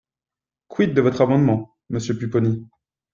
Quid de votre amendement, monsieur Pupponi?